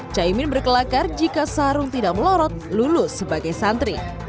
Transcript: caimin berkelakar jika sarung tidak melorot lulus sebagai santri